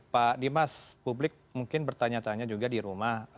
pak dimas publik mungkin bertanya tanya juga di rumah